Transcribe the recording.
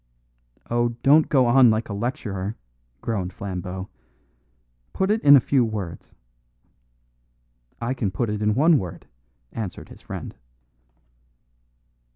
"Oh, don't go on like a lecturer," groaned Flambeau; "put it in a few words." "I can put it in one word," answered his friend.